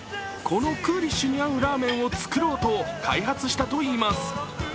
このクーリッシュに合うラーメンを作ろうと開発したといいます。